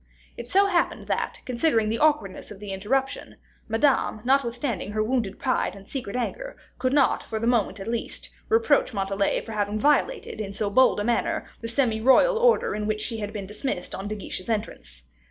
It so happened that, considering the awkwardness of the interruption, Madame, notwithstanding her wounded pride, and secret anger, could not, for the moment at least, reproach Montalais for having violated, in so bold a manner, the semi royal order with which she had been dismissed on De Guiche's entrance.